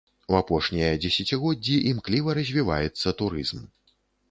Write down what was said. У апошнія дзесяцігоддзі імкліва развіваецца турызм.